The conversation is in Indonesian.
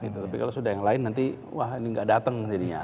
tapi kalau sudah yang lain nanti wah ini nggak datang jadinya